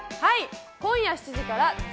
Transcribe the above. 今夜７時から『ザ！